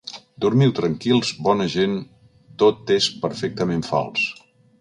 “Dormiu tranquils, bona gent, tot és perfectament fals…”